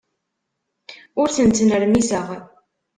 Ur ten-ttnermiseɣ.